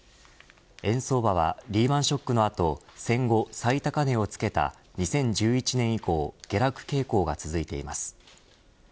円相場はリーマンショックの後戦後最高値をつけた２０１１年以降下落傾向が続いています。